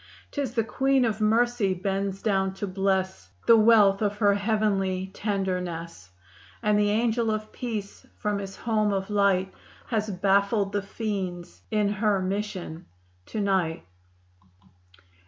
'Tis the Queen of Mercy bends down to bless The wealth of her heavenly tenderness, And the Angel of Peace from his home of light Has baffled the fiends in her mission to night!